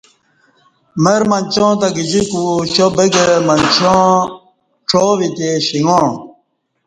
مرمنچاں تہ گجیکوشابگہ منچاں چاوی تےشݩگاع